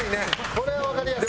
これはわかりやすい。